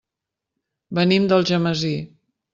Venim d'Algemesí.